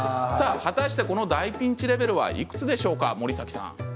果たしてこの大ピンチレベルはいくつでしょうか森崎さん。